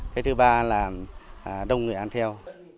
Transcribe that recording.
cái thứ ba là đông người ăn theo